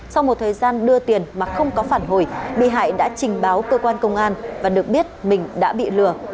sau một thời gian đưa tiền mà không có phản hồi bị hại đã trình báo cơ quan công an và được biết mình đã bị lừa